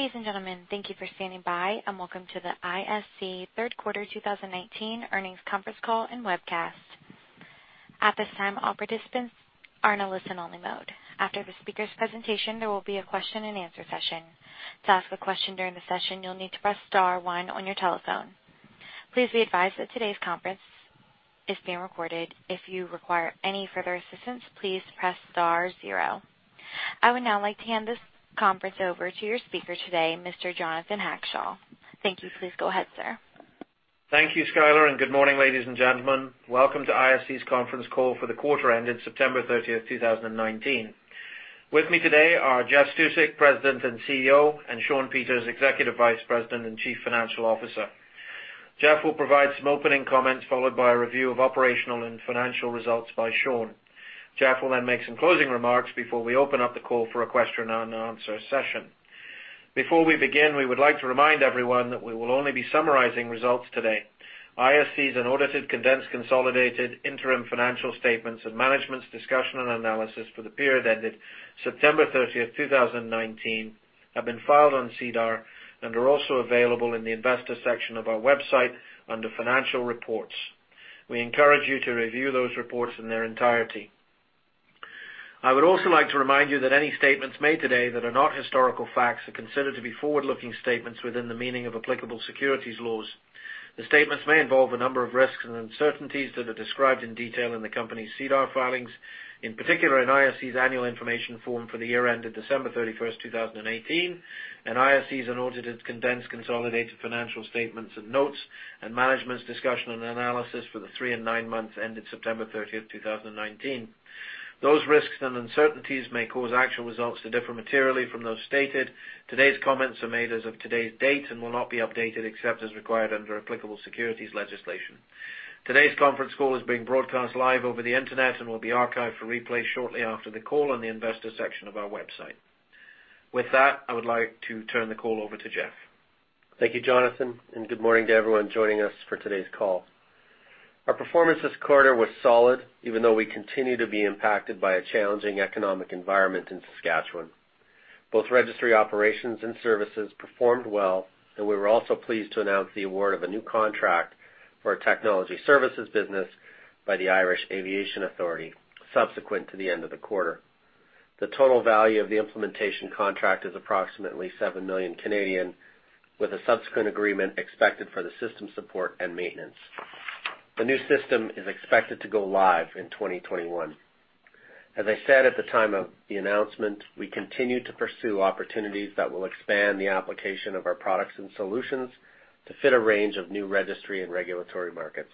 Ladies and gentlemen, thank you for standing by, and welcome to the ISC third quarter 2019 earnings conference call and webcast. At this time, all participants are in a listen-only mode. After the speaker's presentation, there will be a question and answer session. To ask a question during the session, you'll need to press star one on your telephone. Please be advised that today's conference is being recorded. If you require any further assistance, please press star zero. I would now like to hand this conference over to your speaker today, Mr. Jonathan Hackshaw. Thank you. Please go ahead, sir. Thank you, Skylar, and good morning, ladies and gentlemen. Welcome to ISC's conference call for the quarter ended September 30th, 2019. With me today are Jeff Stusek, President and CEO, and Shawn Peters, Executive Vice President and Chief Financial Officer. Jeff will provide some opening comments, followed by a review of operational and financial results by Shawn. Jeff will then make some closing remarks before we open up the call for a question and answer session. Before we begin, we would like to remind everyone that we will only be summarizing results today. ISC's unaudited, condensed, consolidated interim financial statements and Management's Discussion and Analysis for the period ended September 30th, 2019 have been filed on SEDAR and are also available in the investor section of our website under financial reports. We encourage you to review those reports in their entirety. I would also like to remind you that any statements made today that are not historical facts are considered to be forward-looking statements within the meaning of applicable securities laws. The statements may involve a number of risks and uncertainties that are described in detail in the company's SEDAR filings. In particular, in ISC's annual information form for the year ended December 31st, 2018, and ISC's unaudited, condensed, consolidated financial statements and notes and management's discussion and analysis for the three and nine months ended September 30th, 2019. Those risks and uncertainties may cause actual results to differ materially from those stated. Today's comments are made as of today's date and will not be updated except as required under applicable securities legislation. Today's conference call is being broadcast live over the internet and will be archived for replay shortly after the call on the investor section of our website. With that, I would like to turn the call over to Jeff. Thank you, Jonathan, and good morning to everyone joining us for today's call. Our performance this quarter was solid, even though we continue to be impacted by a challenging economic environment in Saskatchewan. Both registry operations and services performed well, and we were also pleased to announce the award of a new contract for our technology services business by the Irish Aviation Authority subsequent to the end of the quarter. The total value of the implementation contract is approximately 7 million Canadian dollars, with a subsequent agreement expected for the system support and maintenance. The new system is expected to go live in 2021. As I said at the time of the announcement, we continue to pursue opportunities that will expand the application of our products and solutions to fit a range of new registry and regulatory markets.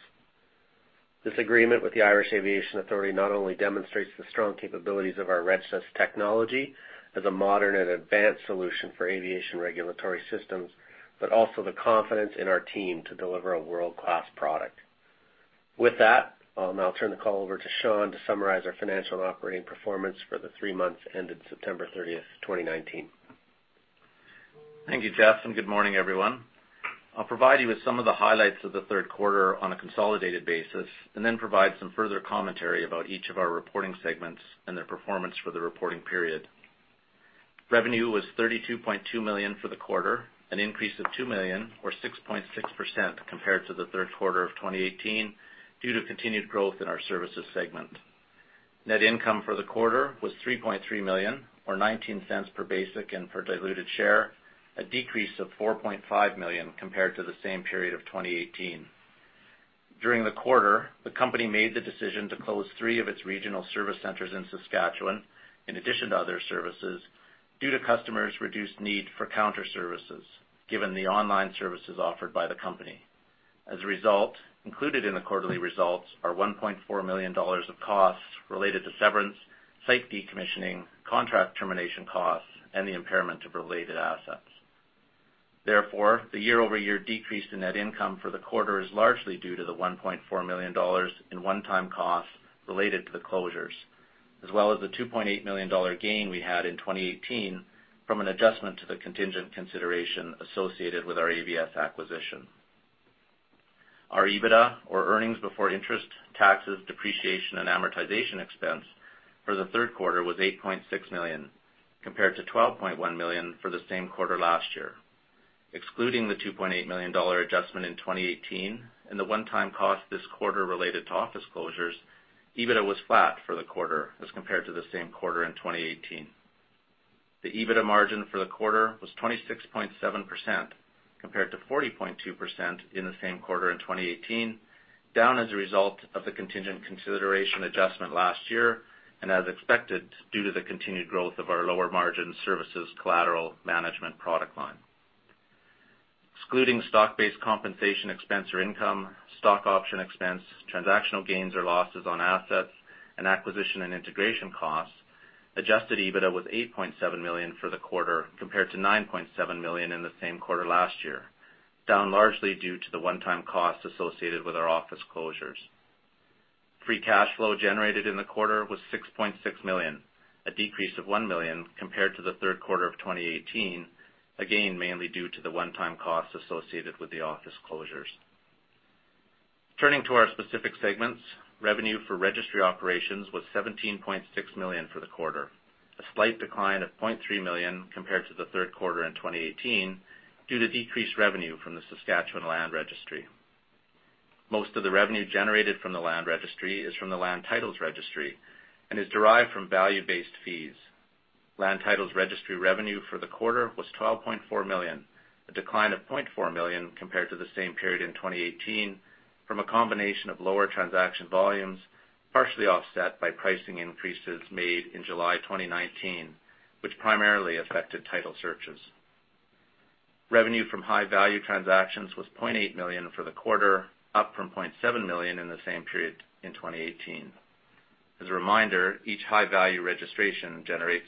This agreement with the Irish Aviation Authority not only demonstrates the strong capabilities of our RegSys technology as a modern and advanced solution for aviation regulatory systems, but also the confidence in our team to deliver a world-class product. With that, I'll now turn the call over to Shawn to summarize our financial and operating performance for the three months ended September 30th, 2019. Thank you, Jeff, good morning, everyone. I'll provide you with some of the highlights of the third quarter on a consolidated basis, and then provide some further commentary about each of our reporting segments and their performance for the reporting period. Revenue was 32.2 million for the quarter, an increase of 2 million or 6.6% compared to the third quarter of 2018 due to continued growth in our services segment. Net income for the quarter was 3.3 million or 0.19 per basic and per diluted share, a decrease of 4.5 million compared to the same period of 2018. During the quarter, the company made the decision to close three of its regional service centers in Saskatchewan, in addition to other services, due to customers' reduced need for counter services, given the online services offered by the company. As a result, included in the quarterly results are 1.4 million dollars of costs related to severance, site decommissioning, contract termination costs, and the impairment of related assets. Therefore, the year-over-year decrease in net income for the quarter is largely due to the 1.4 million dollars in one-time costs related to the closures, as well as the 2.8 million dollar gain we had in 2018 from an adjustment to the contingent consideration associated with our AVS acquisition. Our EBITDA or earnings before interest, taxes, depreciation, and amortization expense for the third quarter was 8.6 million, compared to 12.1 million for the same quarter last year. Excluding the 2.8 million dollar adjustment in 2018 and the one-time cost this quarter related to office closures, EBITDA was flat for the quarter as compared to the same quarter in 2018. The EBITDA margin for the quarter was 26.7% compared to 40.2% in the same quarter in 2018, down as a result of the contingent consideration adjustment last year and as expected, due to the continued growth of our lower margin services collateral management product line. Excluding stock-based compensation expense or income, stock option expense, transactional gains or losses on assets, and acquisition and integration costs, adjusted EBITDA was 8.7 million for the quarter compared to 9.7 million in the same quarter last year, down largely due to the one-time costs associated with our office closures. Free cash flow generated in the quarter was 6.6 million, a decrease of 1 million compared to the third quarter of 2018, again mainly due to the one-time costs associated with the office closures. Turning to our specific segments, revenue for registry operations was CAD 17.6 million for the quarter, a slight decline of CAD 0.3 million compared to the third quarter in 2018 due to decreased revenue from the Saskatchewan Land Registry. Most of the revenue generated from the Land Registry is from the Land Titles Registry and is derived from value-based fees. Land Titles Registry revenue for the quarter was 12.4 million, a decline of 0.4 million compared to the same period in 2018 from a combination of lower transaction volumes, partially offset by pricing increases made in July 2019, which primarily affected title searches. Revenue from high-value transactions was 0.8 million for the quarter, up from 0.7 million in the same period in 2018. As a reminder, each high-value registration generates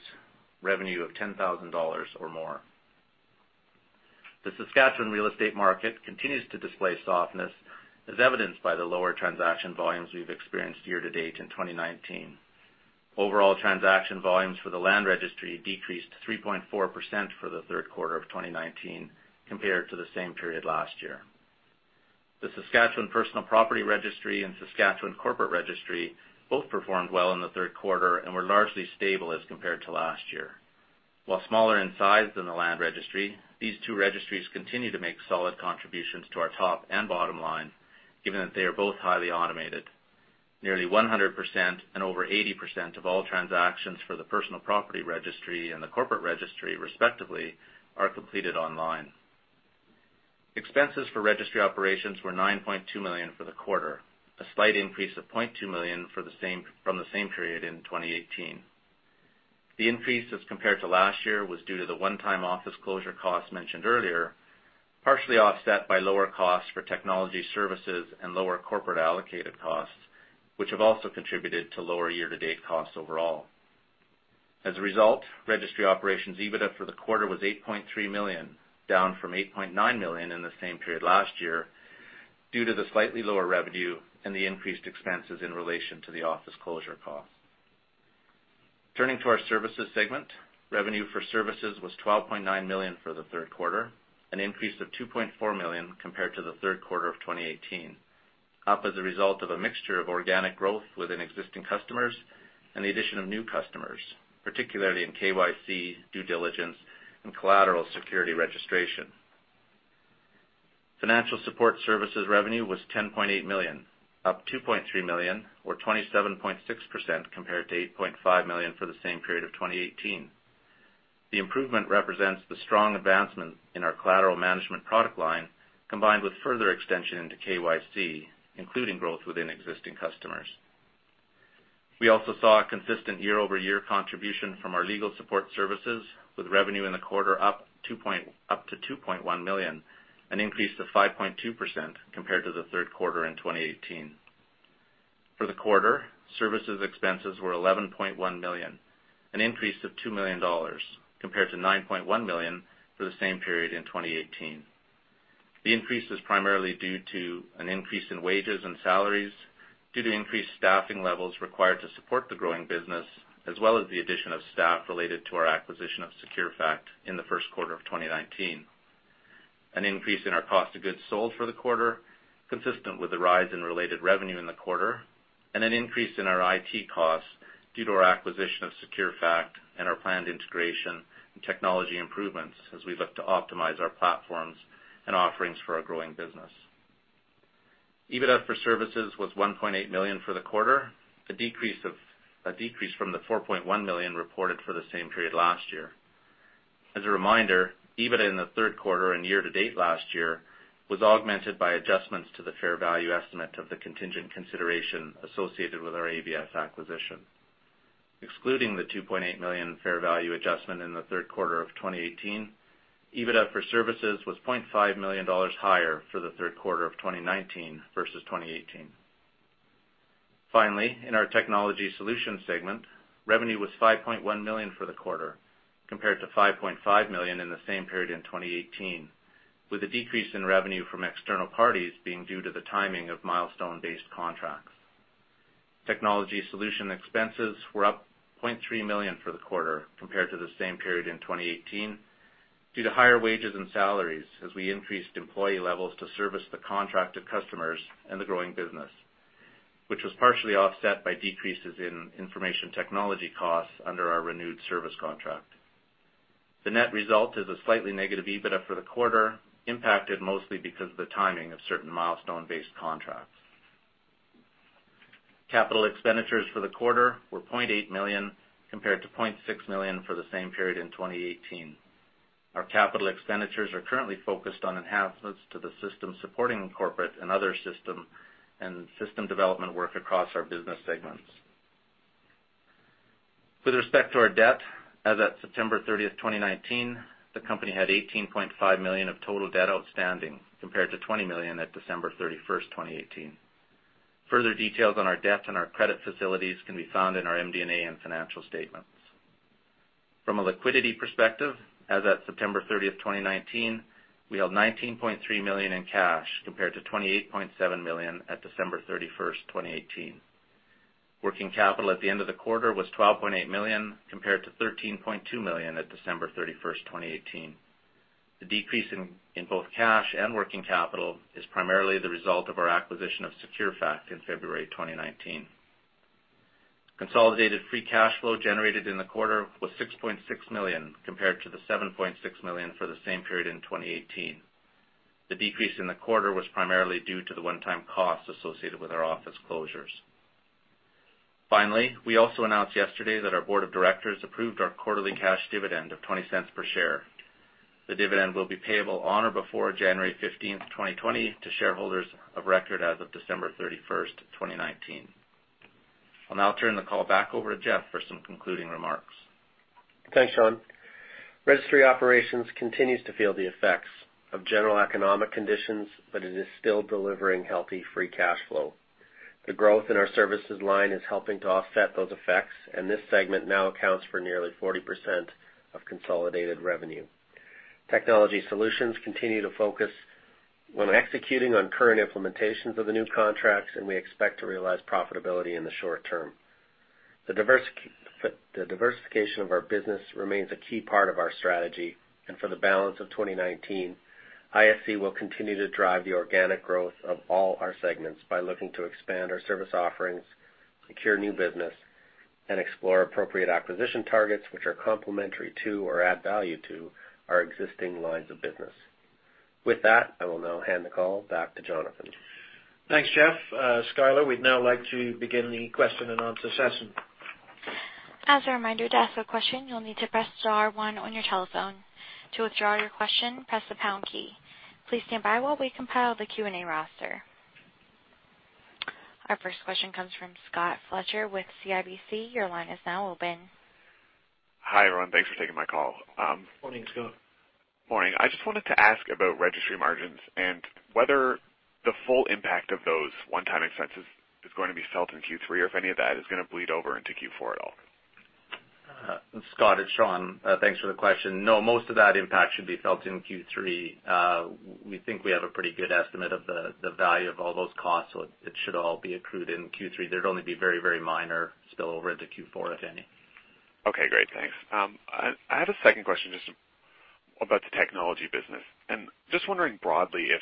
revenue of 10,000 dollars or more. The Saskatchewan real estate market continues to display softness, as evidenced by the lower transaction volumes we've experienced year to date in 2019. Overall transaction volumes for the Land Registry decreased 3.4% for the third quarter of 2019 compared to the same period last year. The Saskatchewan Personal Property Registry and Saskatchewan Corporate Registry both performed well in the third quarter and were largely stable as compared to last year. While smaller in size than the Land Registry, these two registries continue to make solid contributions to our top and bottom line, given that they are both highly automated. Nearly 100% and over 80% of all transactions for the Personal Property Registry and the Corporate Registry, respectively, are completed online. Expenses for registry operations were 9.2 million for the quarter, a slight increase of 0.2 million from the same period in 2018. The increase as compared to last year was due to the one-time office closure costs mentioned earlier, partially offset by lower costs for technology services and lower corporate allocated costs, which have also contributed to lower year-to-date costs overall. As a result, registry operations EBITDA for the quarter was 8.3 million, down from 8.9 million in the same period last year due to the slightly lower revenue and the increased expenses in relation to the office closure cost. Turning to our services segment, revenue for services was 12.9 million for the third quarter, an increase of 2.4 million compared to the third quarter of 2018, up as a result of a mixture of organic growth within existing customers and the addition of new customers, particularly in KYC, due diligence, and collateral security registration. Financial support services revenue was 10.8 million, up 2.3 million or 27.6% compared to 8.5 million for the same period of 2018. The improvement represents the strong advancement in our collateral management product line, combined with further extension into KYC, including growth within existing customers. We also saw a consistent year-over-year contribution from our legal support services, with revenue in the quarter up to 2.1 million, an increase of 5.2% compared to the third quarter in 2018. For the quarter, services expenses were 11.1 million, an increase of 2 million dollars compared to 9.1 million for the same period in 2018. The increase is primarily due to an increase in wages and salaries due to increased staffing levels required to support the growing business, as well as the addition of staff related to our acquisition of Securefact in the first quarter of 2019, an increase in our cost of goods sold for the quarter, consistent with the rise in related revenue in the quarter, and an increase in our IT costs due to our acquisition of Securefact and our planned integration and technology improvements as we look to optimize our platforms and offerings for our growing business. EBITDA for services was 1.8 million for the quarter, a decrease from the 4.1 million reported for the same period last year. As a reminder, EBITDA in the third quarter and year to date last year was augmented by adjustments to the fair value estimate of the contingent consideration associated with our AVS acquisition. Excluding the 2.8 million fair value adjustment in the third quarter of 2018, EBITDA for services was 0.5 million dollars higher for the third quarter of 2019 versus 2018. Finally, in our technology solutions segment, revenue was 5.1 million for the quarter compared to 5.5 million in the same period in 2018, with a decrease in revenue from external parties being due to the timing of milestone-based contracts. Technology solution expenses were up 0.3 million for the quarter compared to the same period in 2018 due to higher wages and salaries as we increased employee levels to service the contracted customers and the growing business, which was partially offset by decreases in information technology costs under our renewed service contract. The net result is a slightly negative EBITDA for the quarter, impacted mostly because of the timing of certain milestone-based contracts. Capital expenditures for the quarter were 0.8 million compared to 0.6 million for the same period in 2018. Our capital expenditures are currently focused on enhancements to the system supporting corporate and other system development work across our business segments. With respect to our debt, as at September 30th, 2019, the company had 18.5 million of total debt outstanding compared to 20 million at December 31st, 2018. Further details on our debt and our credit facilities can be found in our MD&A and financial statements. From a liquidity perspective, as at September 30th, 2019, we held 19.3 million in cash compared to 28.7 million at December 31st, 2018. Working capital at the end of the quarter was 12.8 million, compared to 13.2 million at December 31st, 2018. The decrease in both cash and working capital is primarily the result of our acquisition of Securefact in February 2019. Consolidated free cash flow generated in the quarter was 6.6 million, compared to the 7.6 million for the same period in 2018. The decrease in the quarter was primarily due to the one-time costs associated with our office closures. We also announced yesterday that our board of directors approved our quarterly cash dividend of 0.20 per share. The dividend will be payable on or before January 15th, 2020, to shareholders of record as of December 31st, 2019. I'll now turn the call back over to Jeff for some concluding remarks. Thanks, Shawn. Registry operations continues to feel the effects of general economic conditions, but it is still delivering healthy free cash flow. The growth in our services line is helping to offset those effects, and this segment now accounts for nearly 40% of consolidated revenue. Technology solutions continue to focus on executing on current implementations of the new contracts, and we expect to realize profitability in the short term. The diversification of our business remains a key part of our strategy, and for the balance of 2019, ISC will continue to drive the organic growth of all our segments by looking to expand our service offerings, secure new business, and explore appropriate acquisition targets which are complementary to or add value to our existing lines of business. With that, I will now hand the call back to Jonathan. Thanks, Jeff. Skylar, we'd now like to begin the question and answer session. As a reminder, to ask a question, you'll need to press star one on your telephone. To withdraw your question, press the pound key. Please stand by while we compile the Q&A roster. Our first question comes from Scott Fletcher with CIBC. Your line is now open. Hi, everyone. Thanks for taking my call. Morning, Scott. Morning. I just wanted to ask about registry margins and whether the full impact of those one-time expenses is going to be felt in Q3 or if any of that is going to bleed over into Q4 at all. Scott, it's Shawn. Thanks for the question. Most of that impact should be felt in Q3. We think we have a pretty good estimate of the value of all those costs, so it should all be accrued in Q3. There'd only be very minor spill over into Q4, if any. Okay, great. Thanks. I have a second question just about the technology business. Just wondering broadly if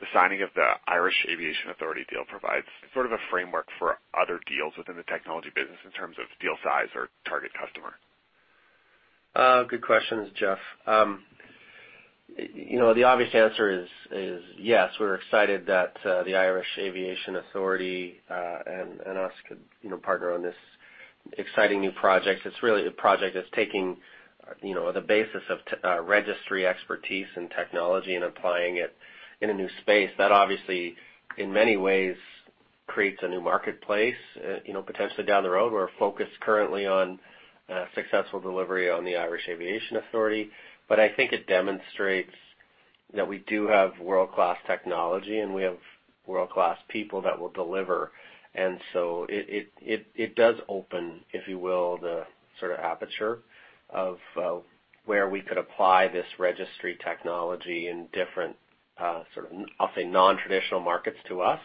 the signing of the Irish Aviation Authority deal provides sort of a framework for other deals within the technology business in terms of deal size or target customer? Good questions, Jeff. The obvious answer is yes, we're excited that the Irish Aviation Authority and us could partner on this exciting new project. It's really a project that's taking the basis of registry expertise and technology and applying it in a new space. That obviously, in many ways, creates a new marketplace potentially down the road. We're focused currently on successful delivery on the Irish Aviation Authority. I think it demonstrates that we do have world-class technology, and we have world-class people that will deliver. It does open, if you will, the sort of aperture of where we could apply this registry technology in different sort of, I'll say, non-traditional markets to us.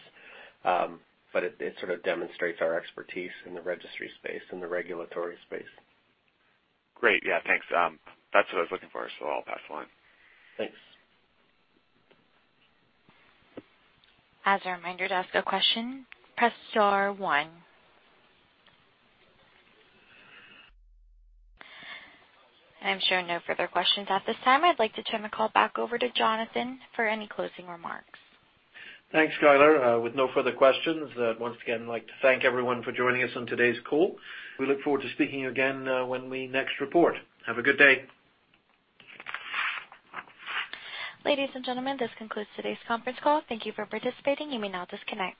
It sort of demonstrates our expertise in the registry space and the regulatory space. Great. Yeah, thanks. That's what I was looking for. I'll pass the line. Thanks. As a reminder, to ask a question, press star one. I'm showing no further questions at this time. I'd like to turn the call back over to Jonathan for any closing remarks. Thanks, Skylar. With no further questions, once again, like to thank everyone for joining us on today's call. We look forward to speaking again when we next report. Have a good day. Ladies and gentlemen, this concludes today's conference call. Thank you for participating. You may now disconnect.